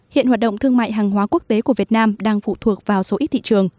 hiện hoạt động thương mại hàng hóa quốc tế của việt nam đang phụ thuộc vào số ít thị trường